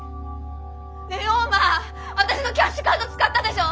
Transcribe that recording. ねえ陽馬あたしのキャッシュカード使ったでしょ！